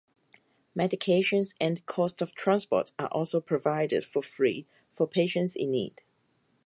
Medications and cost of transport are also provided for free for patients in need.